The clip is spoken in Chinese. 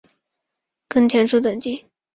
根田鼠等地。